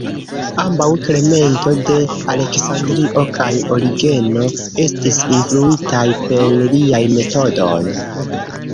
Ambaŭ Klemento de Aleksandrio kaj Origeno estis influitaj per liaj metodoj.